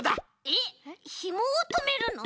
えっひもをとめるの？